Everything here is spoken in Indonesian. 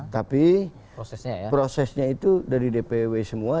tapi prosesnya itu dari dpw semua